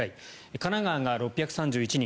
神奈川が６３１人。